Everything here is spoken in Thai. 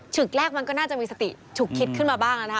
แรกมันก็น่าจะมีสติฉุกคิดขึ้นมาบ้างนะคะ